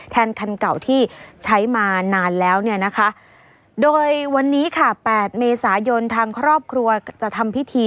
คันเก่าที่ใช้มานานแล้วเนี่ยนะคะโดยวันนี้ค่ะ๘เมษายนทางครอบครัวจะทำพิธี